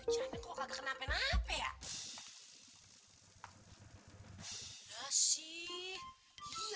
cuciannya kok kagak kenapa napa ya